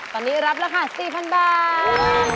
ตอนนี้รับราคา๔๐๐๐บาท